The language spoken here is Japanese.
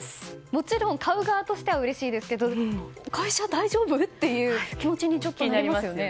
もちろん買う側としてはうれしいですけど会社は大丈夫？という気持ちになりますよね。